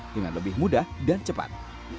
dengan lebih mudah dan cepat